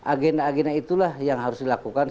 agenda agenda itulah yang harus dilakukan